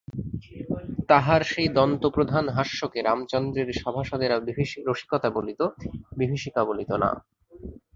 তাহার সেই দন্তপ্রধান হাস্যকে রামচন্দ্রের সভাসদেরা রসিকতা বলিত, বিভীষিকা বলিত না।